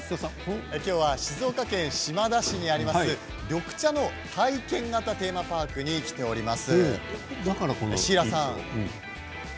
今日は静岡県島田市にある緑茶の体験型テーマパークに来ています。